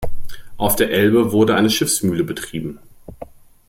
Auf der Elbe wurde eine Schiffsmühle betrieben.